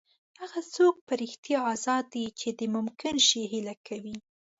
هغه څوک په رښتیا ازاد دی چې د ممکن شي هیله کوي.